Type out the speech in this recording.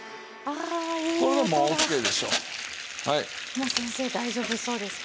もう先生大丈夫そうですか？